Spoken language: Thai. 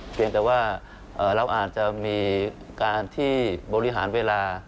เพียงแต่ว่าเราอาจจะมีการที่บริหารเวลา